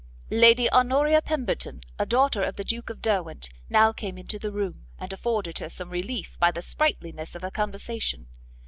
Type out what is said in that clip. Lady Honoria Pemberton, a daughter of the Duke of Derwent, now came into the room, and afforded her some relief by the sprightliness of her conversation.